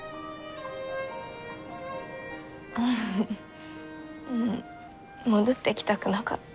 フフフ戻ってきたくなかった。